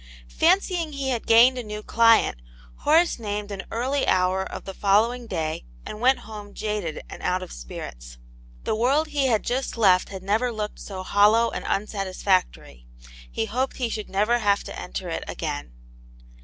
Fancying he had gained a new client, Horace named an early hour of the following day, and went hon^ jaded and out of spirits. The world he had just left had never looked so hollow and unsatisfactory ; he hoped he should never have to enter it again.